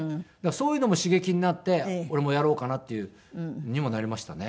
そういうのも刺激になって俺もやろうかなっていう。にもなりましたね。